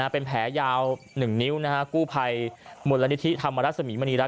เป็นแผลยาว๑นิ้วนะครับกู้ภัยมุลณิธิธรรมรสมิมณีรัก